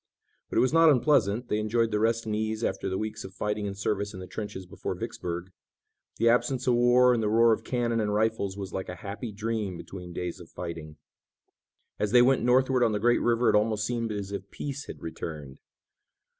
But it was not unpleasant. They enjoyed the rest and ease after the weeks of fighting and service in the trenches before Vicksburg. The absence of war and the roar of cannon and rifles was like a happy dream between days of fighting. As they went northward on the great river it almost seemed as if peace had returned.